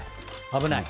危ない。